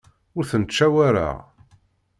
Ur tent-ttcawaṛeɣ.